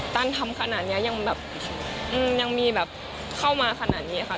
ตันทำขนาดนี้ยังมีเข้ามาขนาดนี้ค่ะ